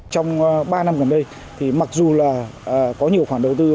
trong ba năm gần đây thì mặc dù là có nhiều khoản đầu tư